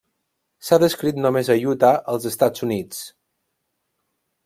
S'ha descrit només a Utah, als Estats Units.